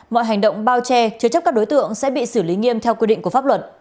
mọi hành động bao che chứa chấp các đối tượng sẽ bị xử lý nghiêm theo quy định của pháp luật